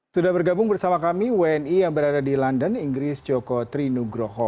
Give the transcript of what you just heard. sudah bergabung bersama kami wni yang berada di london inggris joko trinugroho